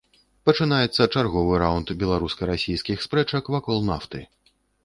Пачынаецца чарговы раўнд беларуска-расійскіх спрэчак вакол нафты.